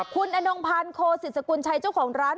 คุณอนงพันธ์โคศิษฐกุลชัยเจ้าของร้าน